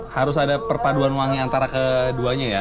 harus ada perpaduan wangi antara keduanya ya